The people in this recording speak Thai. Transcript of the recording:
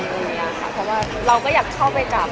เราก็อยากเชื่อโทษเข้ากลับ